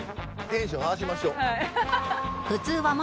「テンション合わせましょ」